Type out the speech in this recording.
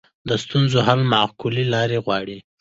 د ستونزو حل معقولې لارې غواړي